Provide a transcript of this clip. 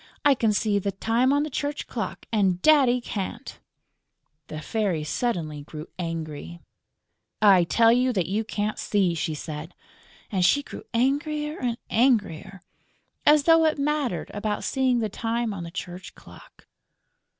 I can see the time on the church clock; and Daddy can't!" The Fairy suddenly grew angry: "I tell you that you can't see!" she said. And she grew angrier and angrier. As though it mattered about seeing the time on the church clock!